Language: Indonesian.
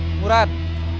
dia itu kepala batu